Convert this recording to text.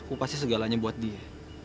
aku pasti segalanya buat dia